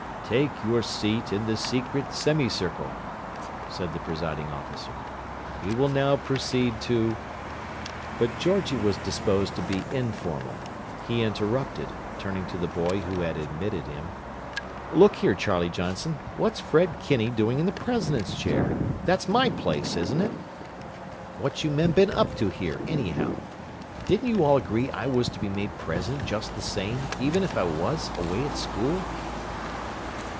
"Take your seat in the secret semicircle," said the presiding officer. "We will now proceed to—" But Georgie was disposed to be informal. He interrupted, turning to the boy who had admitted him: "Look here, Charlie Johnson, what's Fred Kinney doing in the president's chair? That's my place, isn't it? What you men been up to here, anyhow? Didn't you all agree I was to be president just the same, even if I was away at school?"